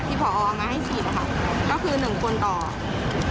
ของประสาทบันโลกผิวหนังอ่ะที่พอออกมาให้ฉีดอ่ะค่ะก็คือหนึ่งคนต่อ